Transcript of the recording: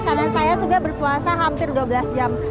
karena saya sudah berpuasa hampir dua belas jam